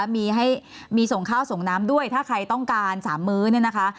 มีให้มีส่งข้าวส่งน้ำด้วยถ้าใครต้องการ๓มื้อเนี่ยนะคะ